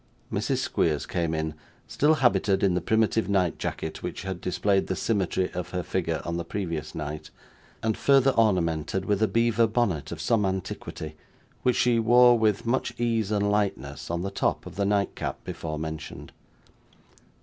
Mrs. Squeers came in, still habited in the primitive night jacket which had displayed the symmetry of her figure on the previous night, and further ornamented with a beaver bonnet of some antiquity, which she wore, with much ease and lightness, on the top of the nightcap before mentioned.